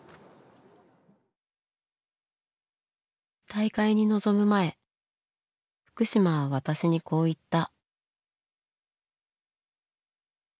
大会に臨む前福島は私にこう言った。